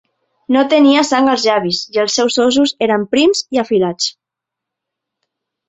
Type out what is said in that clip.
No tenia sang als llavis i els seus ossos eren prims i afilats.